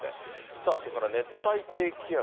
さあ、それから熱帯低気圧。